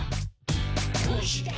「どうして？